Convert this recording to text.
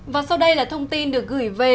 và sau đây là thông tin được gửi về